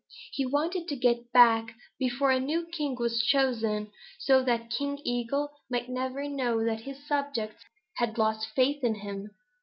He wanted to get back before a new king was chosen, so that King Eagle might never know that his subjects had lost faith in him.